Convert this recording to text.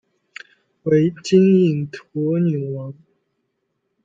为金印驼纽王。